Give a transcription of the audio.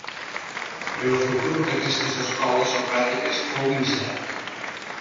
El futur d'aquestes escoles socràtiques fou incert.